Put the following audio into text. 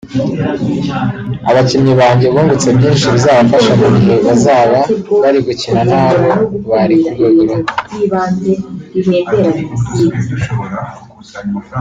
Abakinnyi banjye bungutse byinshi bizabafasha mu gihe bazaba bari gukina n’abo bari ku rwego rumwe